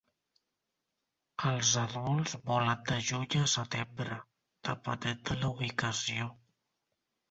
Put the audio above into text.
Els adults volen de juny a setembre, depenent de la ubicació.